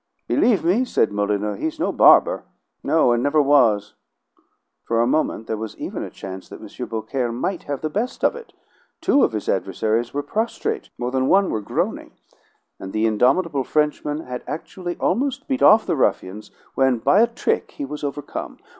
"Believe me," said Molyneux "he's no barber! No, and never was!" For a moment there was even a chance that M. Beaucaire might have the best of it. Two of his adversaries were prostrate, more than one were groaning, and the indomitable Frenchman had actually almost beat off the ruffians, when, by a trick, he was overcome.